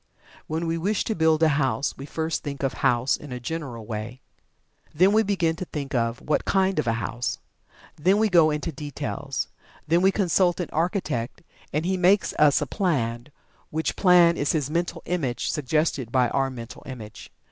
When we wish to build a house, we first think of "house" in a general way. Then we begin to think of "what kind" of a house. Then we go into details. Then we consult an architect, and he makes us a plan, which plan is his mental image, suggested by our mental image.